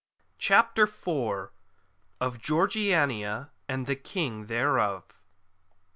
CHAPTER IV. Of Georgiania and the Kings thereof.